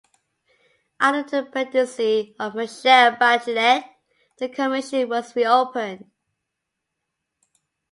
Under the presidency of Michelle Bachelet the commission was reopened.